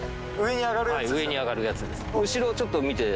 上に上がるやつです。